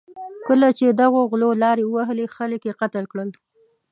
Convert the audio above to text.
کله چې دغو غلو لارې ووهلې، خلک یې قتل کړل.